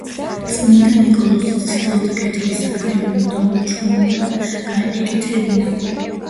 წმიდა ნიკოლოზი ცდილობდა, კეთილი საქმეები მუდამ უჩუმრად ეკეთებინა.